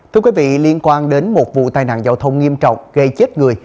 thưa quý vị liên quan đến một vụ tai nạn giao thông nghiêm trọng gây chết người